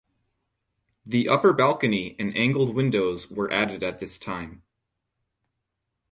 The upper balcony and angled windows were added at this time.